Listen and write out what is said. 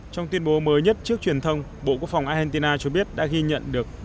trong tuyên bố mới nhất trước truyền thông bộ quốc phòng argentina cho biết đã ghi nhận được